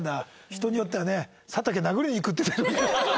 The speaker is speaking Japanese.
人によってはね佐竹殴りに行くっていう。